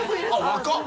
若っ。